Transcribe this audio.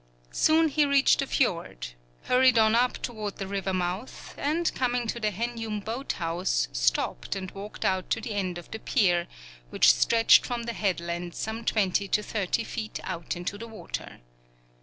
Soon he reached the fjord, hurried on up toward the river mouth, and coming to the Henjum boat house, stopped, and walked out to the end of the pier, which stretched from the headland some twenty to thirty feet out into the water.